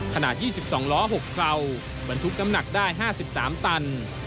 ขนาด๒๒ล้อ๖กรัมบรรทุกน้ำหนักได้๕๓ตัน